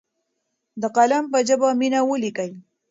د قلم په ژبه مینه ولیکئ.